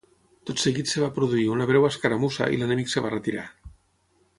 Tot seguit es va produir una breu escaramussa i l'enemic es va retirar.